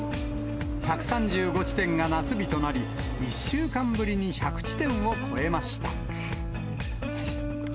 １３５地点が夏日となり、１週間ぶりに１００地点を超えました。